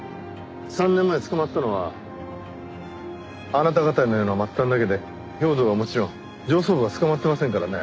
３年前捕まったのはあなた方のような末端だけで兵頭はもちろん上層部は捕まってませんからね。